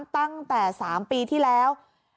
ตั้งแต่๓ปีที่แล้ว